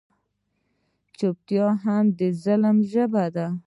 چوپتیا هم د ظلم ژبه ده.